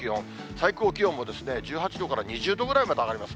最高気温も１８度から２０度ぐらいまで上がります。